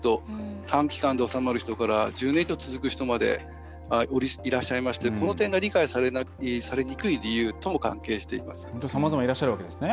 短期間で治まる人から１０年以上続く人までいらっしゃいましてこの点が理解されにくい理由とも関係しています。